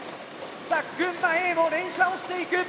さあ群馬Ａも連射をしていく。